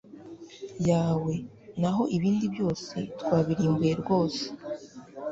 yawe naho ibindi byose twabirimbuye rwose